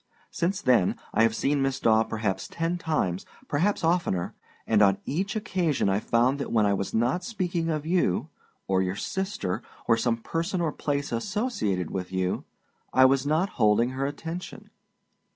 Since then, I have seen Miss Daw perhaps ten times, perhaps oftener, and on each occasion I found that when I was not speaking of you, or your sister, or some person or place associated with you, I was not holding her attention.